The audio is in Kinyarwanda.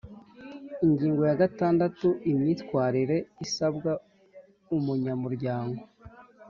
Ingingo ya gatandatu: Imyitwarire isabwa umunyamuryango